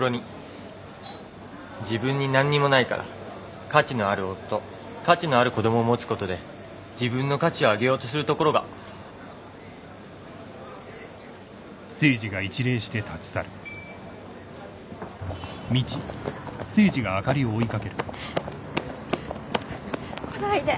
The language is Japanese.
自分に何にもないから価値のある夫価値のある子供持つことで自分の価値を上げようとするところが。来ないで。